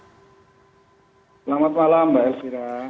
selamat malam mbak elvira